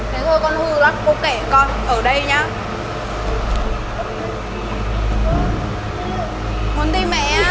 thế thôi con hư lắm cô kể con ở đây nhá